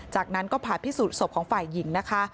จากนั้นก็ผ่าพิสูจนศพของฝ่ายหญิงนะคะ